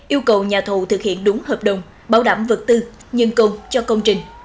yêu cầu nhà thù thực hiện đúng hợp đồng bảo đảm vật tư nhân công cho công trình